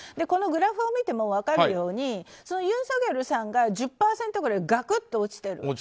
このグラフを見ても分かるようにユン・ソギョルさんが１０％くらいガクッと落ちてる。